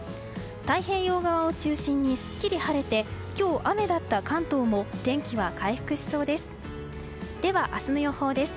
太平洋側を中心にすっきり晴れて今日、雨だった関東も天気は回復しそうです。